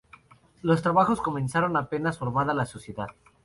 Los trabajos comenzaron apenas formada la sociedad.